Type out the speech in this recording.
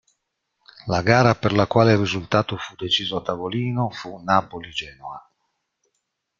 La gara per la quale il risultato fu deciso a tavolino fu Napoli-Genoa.